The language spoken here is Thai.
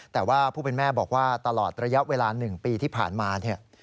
แต่ว่าผู้เป็นแม่บอกว่าตลอดระยะเวลา๑ปีที่ผ่านมาเนี่ย